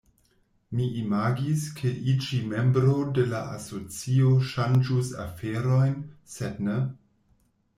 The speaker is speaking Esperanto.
Mi imagis, ke iĝi membro de la asocio ŝanĝus aferojn, sed ne.